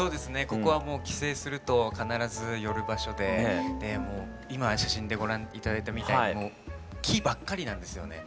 ここは帰省すると必ず寄る場所で今写真でご覧頂いたみたいにもう木ばっかりなんですよね。